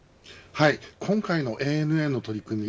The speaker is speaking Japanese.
今回のＡＮＡの取り組み